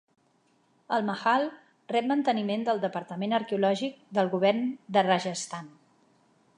El Mahal rep manteniment del Departament Arqueològic del Govern de Rajasthan.